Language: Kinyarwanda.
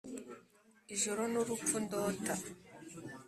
ijoro n'urupfu ndota;